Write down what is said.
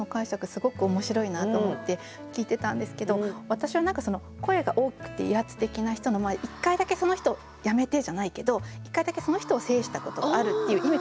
すごく面白いなと思って聞いてたんですけど私は何かその声が大きくて威圧的な人の前で一回だけその人「やめて」じゃないけど一回だけその人を制したことあるっていう意味かなと思って。